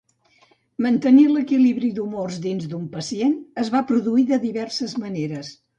Mantenir l'equilibri d'humors dins d'un pacient es va produir de diverses maneres.